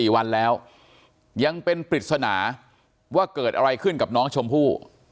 ๔วันแล้วยังเป็นปริศนาว่าเกิดอะไรขึ้นกับน้องชมพู่